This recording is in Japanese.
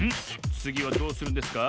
つぎはどうするんですか？